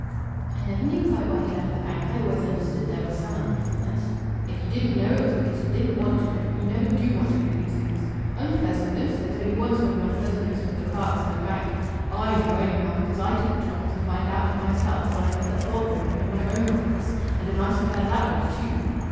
"I never knew quite why he left the bank. I always understood there was some unpleasantness." "If ye didn't know, it was because ye didn't want to know. Ye never do want to know these things. 'Unpleasantness!' There's only one sort of unpleasantness with the clerks in a bank!... I know, anyhow, because I took the trouble to find out for myself, when I had that bother with him in my own office. And a nice affair that was, too!"